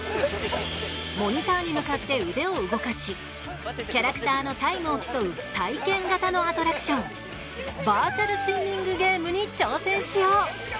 モニターに向かって腕を動かしキャラクターのタイムを競う体験型のアトラクションバーチャルスイミングゲームに挑戦しよう！